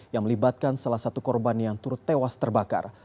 yang melibatkan salah satu korban yang turut tewas terbakar